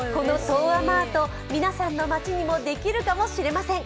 このＴＯＡｍａｒｔ、皆さんの街にもできるかもしれません。